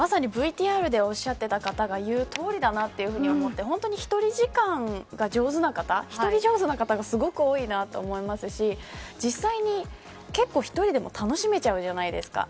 ＶＴＲでおっしゃっていた方が言うとおりだなと思って１人時間が上手な方、ひとり上手な方がすごく多いなと思いますし実際に結構１人でも楽しめちゃうじゃないですか。